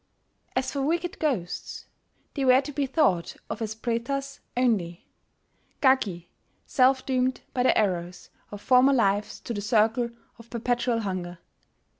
As for wicked ghosts, they were to be thought of as Pretas only, Gaki, self doomed by the errors of former lives to the Circle of Perpetual Hunger.